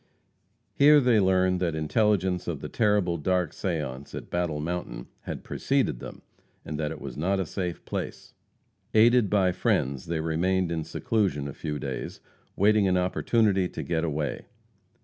Here they learned that intelligence of the terrible dark seance at Battle Mountain had preceded them, and that it was not a safe place. Aided by friends, they remained in seclusion a few days, waiting an opportunity to get away.